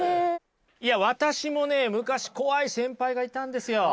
いや私もね昔怖い先輩がいたんですよ。